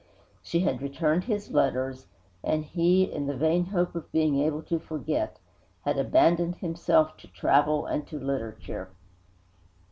She had returned his letters; and he, in the vain hope of being able to forget, had abandoned himself to travel and to literature.